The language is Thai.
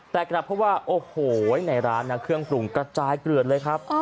แต่กลับเพราะว่าโอ้โหในร้านนะเครื่องปรุงกระจายเกลือดเลยครับ